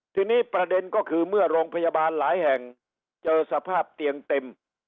ทีนี้ประเด็นก็คือเมื่อโรงพยาบาลหลายแห่งเจอสภาพเตียงเต็ม